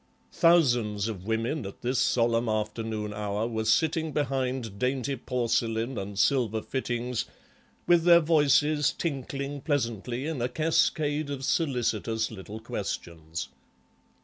Thousands of women, at this solemn afternoon hour, were sitting behind dainty porcelain and silver fittings, with their voices tinkling pleasantly in a cascade of solicitous little questions.